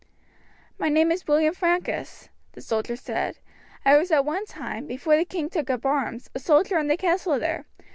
"My name is William Francus," the soldier said. "I was at one time, before the king took up arms, a soldier in the castle there.